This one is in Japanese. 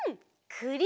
くり！